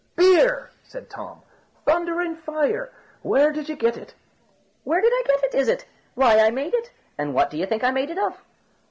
"Beer!" said Tom. "Thunder and fire! where did you get it?" "Where did I get it, is it? Why, I made it. And what do you think I made it of?"